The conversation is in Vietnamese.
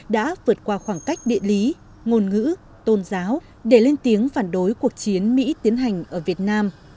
đã vượt qua khoảng cách địa lý ngôn ngữ tôn giáo để lên tiếng phản đối cuộc chiến mỹ tiến hành ở việt nam